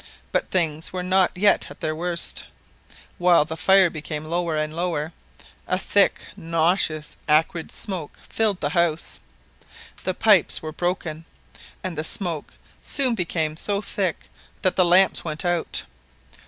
But things were not yet at their worst. Whilst the fire became lower and lower, a thick, nauseous, acrid smoke filled the house; the pipes were broken, and the smoke soon became so thick that the lamps went out.